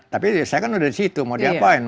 tapi saya kan udah di situ mau diapain